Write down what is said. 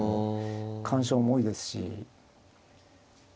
完勝も多いですし。